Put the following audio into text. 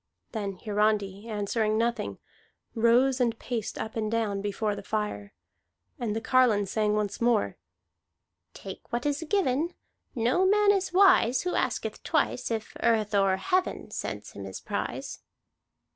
Then Hiarandi, answering nothing, rose and paced up and down before the fire. And the carline sang once more: "Take what is given. No man is wise Who asketh twice If earth or heaven Sends him his prize."